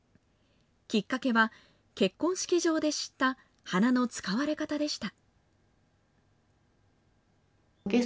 きっかけは、結婚式場で知った花の使われ方でした。